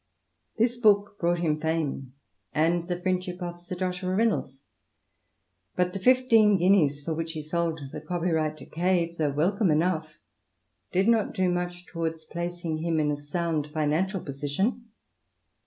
This book brought him fame, and the friendship of Sir Joshua Reynolds; but the fifteen guineas for which he sold the copyright to Cave, though welcome enough, did not do much towards placing him in a sound financial position